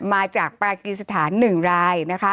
มาจากปรากฏิสถาน๑ราย